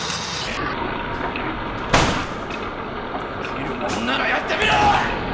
できるもんならやってみろ！